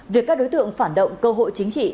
việc các đối tượng phản động cơ hội chính trị